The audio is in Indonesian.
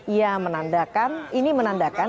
ia menandakan ini menandakan